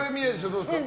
どうですか？